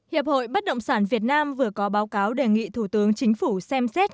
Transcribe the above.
hiệp hội bất động sản việt nam vừa có báo cáo đề nghị thủ tướng chính phủ xem xét